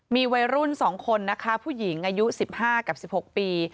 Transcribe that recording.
มีวัยรุ่น๒คนนะคะผู้หญิงอายุ๑๕กับ๑๖ปี